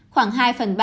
khoảng hai phần ba